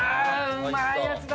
うまいやつだ。